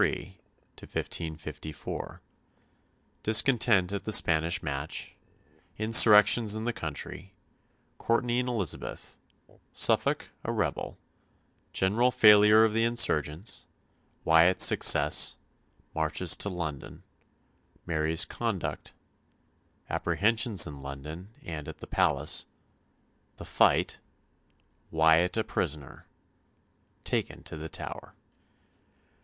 CHAPTER XXII 1553 1554 Discontent at the Spanish match Insurrections in the country Courtenay and Elizabeth Suffolk a rebel General failure of the insurgents Wyatt's success Marches to London Mary's conduct Apprehensions in London, and at the palace The fight Wyatt a prisoner Taken to the Tower.